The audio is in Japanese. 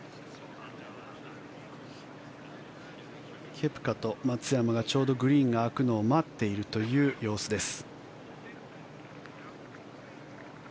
ケプカと松山がちょうどグリーンが空くのを待っているという様子です。